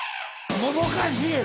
もどかしい。